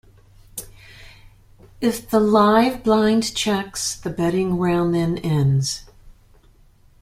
If the live blind checks, the betting round then ends.